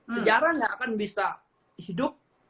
sejarah nggak akan bisa hidup